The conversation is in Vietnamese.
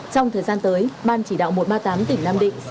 trong thời gian tới ban chỉ đạo một trăm ba mươi tám tỉnh nam định